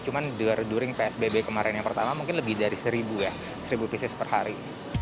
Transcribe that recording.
cuma during psbb kemarin yang pertama mungkin lebih dari seribu ya seribu pieces per hari